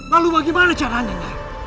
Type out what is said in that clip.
lalu bagaimana caranya